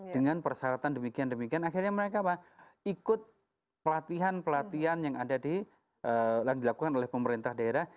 dengan persyaratan demikian demikian akhirnya mereka ikut pelatihan pelatihan yang dilakukan oleh pemerintah daerah